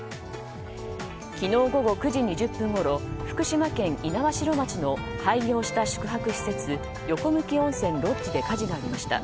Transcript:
昨日午後９時２０分ごろ福島県猪苗代町の廃業した宿泊施設横向温泉ロッジで火事がありました。